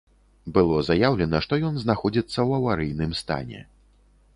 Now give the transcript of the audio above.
Было заяўлена, што ён знаходзіцца ў аварыйным стане.